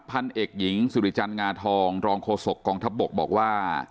พันเอกหญิงสุริจันทร์งาทองรองโฆษกองทัพบกบอกว่า